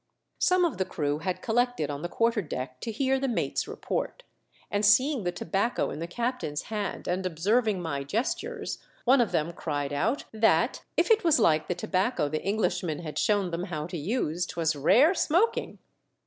Some of the crew had collected on the quarter deck to hear the mate's report, and seeing the tobacco in the captain's hand and observing my gestures, one of them cried out that if it was like the tobacco the Englishman had shown them how to use 'twas rare smok inof!